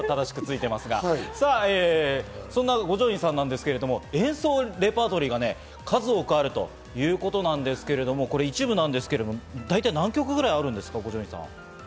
そんな五条院さんなんですけど、演奏レパートリーが数多くあるということなんですけど、これは一部なんですけど、大体何曲ぐらいあるんですか？